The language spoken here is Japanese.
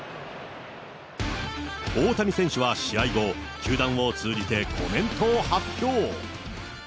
大谷選手は試合後、球団を通じてコメントを発表。